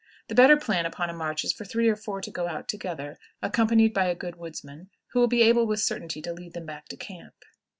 The better plan upon a march is for three or four to go out together, accompanied by a good woodsman, who will be able with certainty to lead them back to camp.